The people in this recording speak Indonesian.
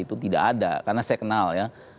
itu tidak ada karena saya kenal ya